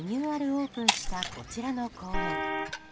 オープンしたこちらの公園。